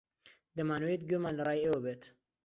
دەمانەوێت گوێمان لە ڕای ئێوە بێت.